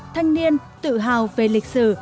thanh niên tự hào về lịch sử